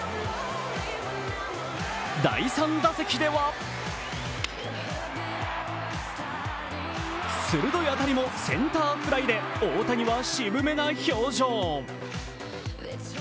第３打席では鋭い当たりもセンターフライで大谷は渋めな表情。